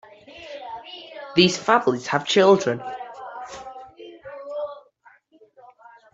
These families have children.